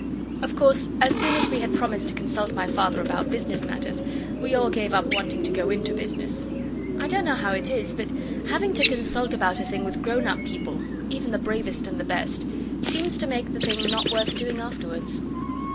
Of course as soon as we had promised to consult my Father about business matters we all gave up wanting to go into business. I don't know how it is, but having to consult about a thing with grown up people, even the bravest and the best, seems to make the thing not worth doing afterwards.